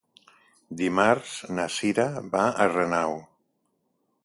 Dimarts na Cira va a Renau.